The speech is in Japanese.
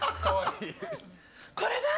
これだ！